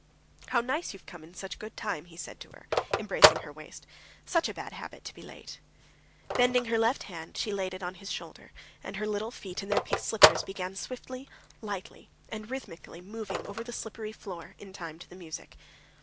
"How nice you've come in good time," he said to her, embracing her waist; "such a bad habit to be late." Bending her left hand, she laid it on his shoulder, and her little feet in their pink slippers began swiftly, lightly, and rhythmically moving over the slippery floor in time to the music.